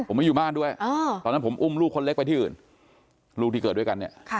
ผมไม่อยู่บ้านด้วยตอนนั้นผมอุ้มลูกคนเล็กไปที่อื่นลูกที่เกิดด้วยกันเนี่ย